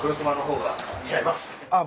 あっ。